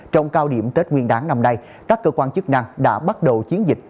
trong cao điểm tết nguyên đáng năm nay các cơ quan chức năng đã bắt đầu chiến dịch